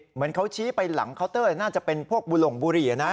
เหมือนเขาชี้ไปหลังเคาน์เตอร์น่าจะเป็นพวกบุหลงบุหรี่นะ